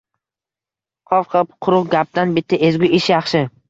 Qop-qop quruq gapdan bitta ezgu ish yaxshi.